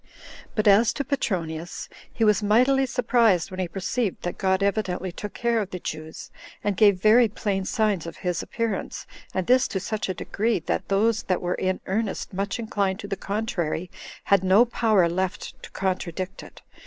But as to Petronius, he was mightily surprised when he perceived that God evidently took care of the Jews, and gave very plain signs of his appearance, and this to such a degree, that those that were in earnest much inclined to the contrary had no power left to contradict it.